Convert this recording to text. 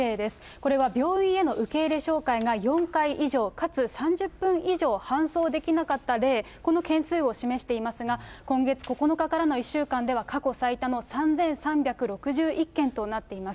これは病院への受け入れ照会が４回以上かつ、３０分以上搬送できなかった例、この件数を示していますが、今月９日からの１週間では、過去最多の３３６１件となっています。